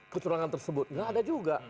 kecurangan tersebut tidak ada juga